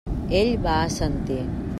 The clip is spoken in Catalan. Ell va assentir.